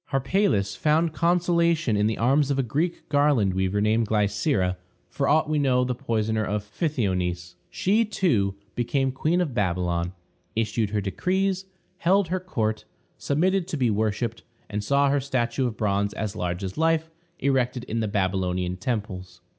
Harpalus found consolation in the arms of a Greek garland weaver named Glycera, for aught we know the poisoner of Pythionice. She, too, became Queen of Babylon, issued her decrees, held her court, submitted to be worshiped, and saw her statue of bronze, as large as life, erected in the Babylonian temples.